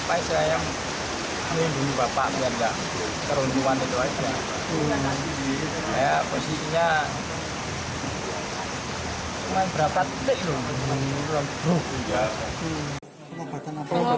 akhirnya saya tersenyum pelawan zeemos